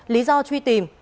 lý do truy tìm